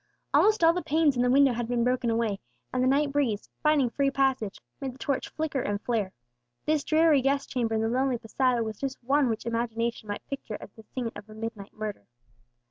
Almost all the panes in the window had been broken away, and the night breeze, finding free passage, made the torch flicker and flare. This dreary guest chamber in the lonely posada was just one which imagination might picture as the scene of a midnight murder.